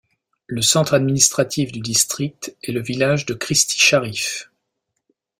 Le centre administratif du district est le village de Christi Sharif.